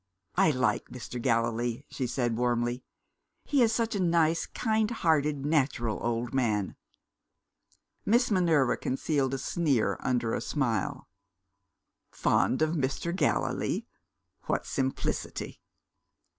"I like Mr. Gallilee," she said warmly; "he is such a nice, kind hearted, natural old man." Miss Minerva concealed a sneer under a smile. Fond of Mr. Gallilee? what simplicity!